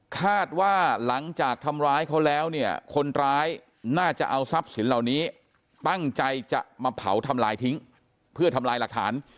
คาดว่าหลังจากทำร้ายเขาแล้วเนี่ยคนร้ายน่าจะเอาทรัพย์สินเหล่านี้ตั้งใจจะมาเผาทำลายทิ้งเพื่อทำลายหลักฐาน